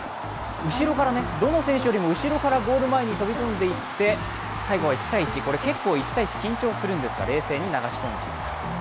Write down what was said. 後ろからどの選手よりも後ろからゴール前に飛び込んでいって、最後は１対１、結構１対１、緊張するんですが冷静に流し込んでいきます。